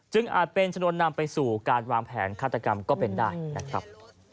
อาจเป็นชนวนนำไปสู่การวางแผนฆาตกรรมก็เป็นได้นะครับ